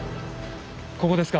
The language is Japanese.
ここですか？